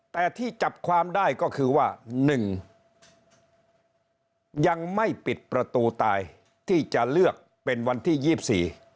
แต่ที่จับความได้ก็คือว่าหนึ่งยังไม่ปิดประตูตายที่จะเลือกเป็นวันที่ยี่สิบสี่